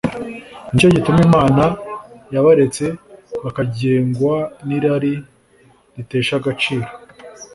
”Ni cyo gituma Imana yabaretse bakagengwa n’irari ritesha agaciro